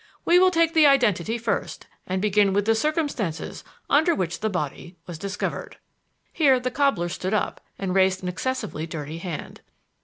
We will take the identity first and begin with the circumstances under which the body was discovered." Here the cobbler stood up and raised an excessively dirty hand.